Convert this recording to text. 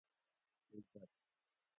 عزت